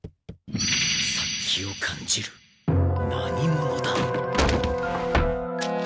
殺気を感じる何者だ。